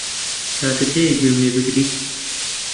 کاتت هەیە گوێم لێ بگریت؟